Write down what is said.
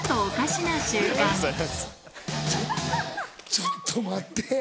ちょっと待って。